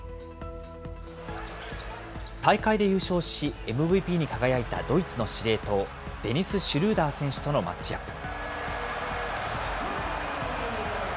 大会で優勝し、ＭＶＰに輝いたドイツの司令塔、デニス・シュルーダー選手とのマッチアップ。